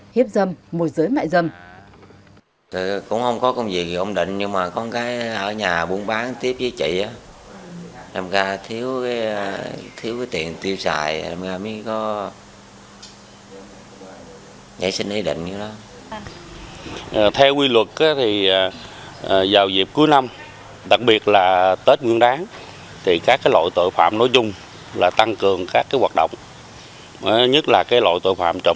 hiếp dâm mùi giới mại dâm